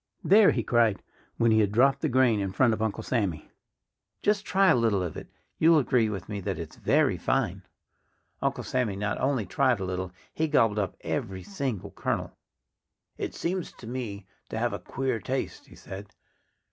"There!" he cried, when he had dropped the grain in front of Uncle Sammy. "Just try a little of it! You'll agree with me that it's very fine." Uncle Sammy not only tried a little. He gobbled up every single kernel. "It seems to me to have a queer taste," he said.